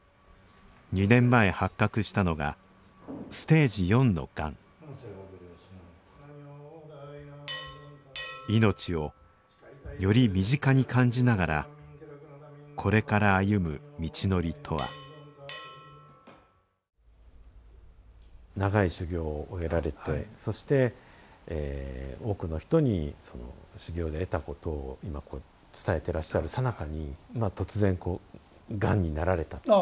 ２年前発覚したのがステージ４のがん命をより身近に感じながらこれから歩む道のりとは長い修行を終えられてそして多くの人に修行で得たことを今こう伝えてらっしゃるさなかに突然がんになられたと。